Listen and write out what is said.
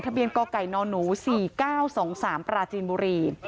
เบียนกไก่นหนู๔๙๒๓ปราจีนบุรี